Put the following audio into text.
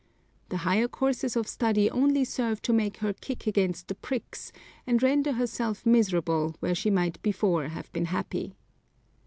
The higher courses of study only serve to make her kick against the pricks, and render herself miserable where she might before have been happy.